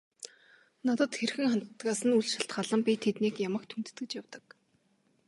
Надад хэрхэн ханддагаас нь үл шалтгаалан би тэднийг ямагт хүндэтгэж явдаг.